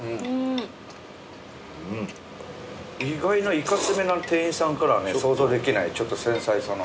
いかつめな店員さんからはね想像できない繊細さの。